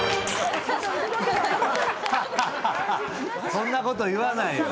そんなこと言わないの。